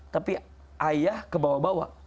tapi ayah kebawa bawa